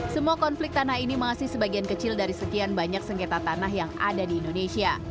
semua konflik tanah ini masih sebagian kecil dari sekian banyak sengketa tanah yang ada di indonesia